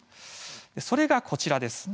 それがこちらです。